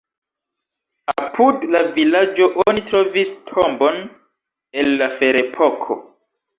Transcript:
Apud la vilaĝo oni trovis tombon el la ferepoko.